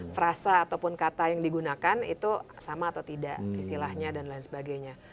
frasa ataupun kata yang digunakan itu sama atau tidak istilahnya dan lain sebagainya